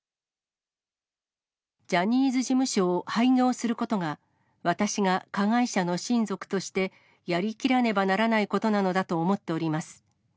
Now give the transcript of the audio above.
ジャニーズ事務所を廃業することが、私が加害者の親族としてやりきらなければならないことなのだと思っております。